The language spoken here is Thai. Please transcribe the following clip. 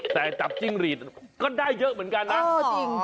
แต่จับจิ้งหลีดก็ได้เยอะเหมือนกันนะเออจริง